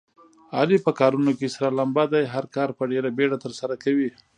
علي په کارونو کې سره لمبه دی. هر کار په ډېره بیړه ترسره کوي.